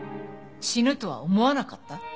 「死ぬとは思わなかった」？